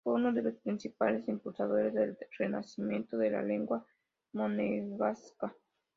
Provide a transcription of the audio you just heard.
Fue uno de los principales impulsores del renacimiento de la lengua monegasca.